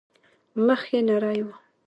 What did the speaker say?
مخ يې نرى و.